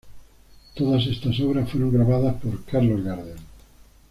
Todas estas obras fueron grabadas por Carlos Gardel.